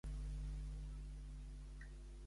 Llavors, per què s'han sorprès els rovellons?